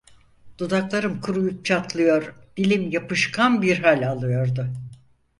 Dudaklarım kuruyup çatlıyor, dilim yapışkan bir hal alıyordu.